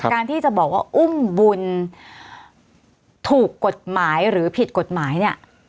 การที่จะบอกว่าอุ้มบุญถูกกฎหมายหรือผิดกฎหมายเนี่ย